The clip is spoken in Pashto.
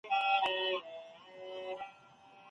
اولياء کرام متصرف ګڼل شرک او کفر دی